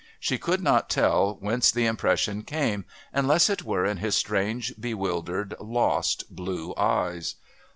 She could not tell whence the impression came, unless it were in his strange, bewildered, lost blue eyes.